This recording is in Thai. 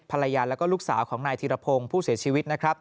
ภรรยานและลูกสาวของนายธิรพงษ์ผู้เสียชีวิต